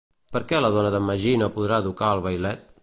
Per què la dona d'en Magí no podrà educar al vailet?